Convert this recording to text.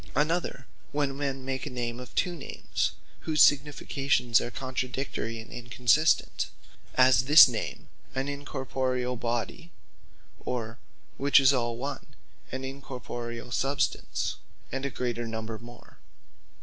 Another, when men make a name of two Names, whose significations are contradictory and inconsistent; as this name, an Incorporeall Body, or (which is all one) an Incorporeall Substance, and a great number more.